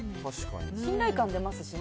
信頼感出ますしね。